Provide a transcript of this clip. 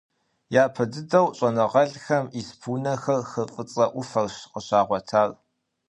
Япэ дыдэу щIэныгъэлIхэм испы унэхэр хы ФIыцIэ Iуфэрщ къыщагъуэтар.